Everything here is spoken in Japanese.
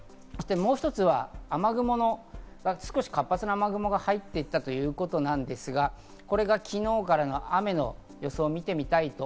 そしてもう一つ、雨雲の活発な雨雲が入ってきたということなんですが、これが昨日からの雨の様子です。